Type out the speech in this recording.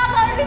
aku mau pak